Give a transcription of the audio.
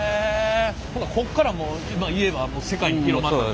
ほなこっからもう言えば世界に広まったという名前が。